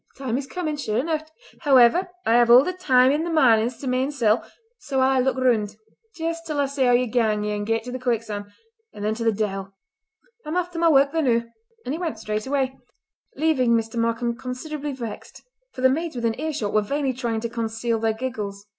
the time is comin', sure eneucht! However I have all the time i' the marnins to my ain sel', so I'll aye look roond jist till see how ye gang yer ain gait to the quicksan', and then to the de'il! I'm aff till ma wark the noo!" And he went straightway, leaving Mr. Markam considerably vexed, for the maids within earshot were vainly trying to conceal their giggles.